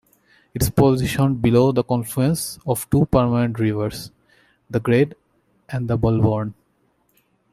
It is positioned below the confluence of two permanent rivers, the Gade and Bulbourne.